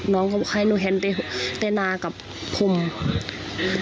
น้องเขาบอกว่าให้หนูเห็นแต่น่ากับภูมิ